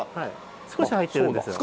少し入ってるんですよ。